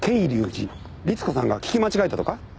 りつ子さんが聞き間違えたとか？